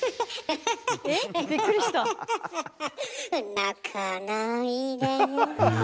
「泣かないで」